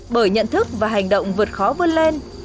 bởi nhận thức và hành động vượt khó vươn lên